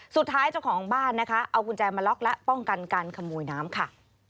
เจ้าของบ้านนะคะเอากุญแจมาล็อกและป้องกันการขโมยน้ำค่ะ